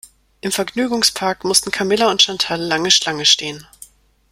Im Vergnügungspark mussten Camilla und Chantal lange Schlange stehen.